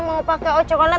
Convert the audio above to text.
mau pakai ojek olam